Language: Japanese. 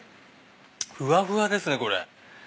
ふわふわですねこれ。